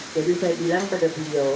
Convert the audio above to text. jadi saya bilang pada video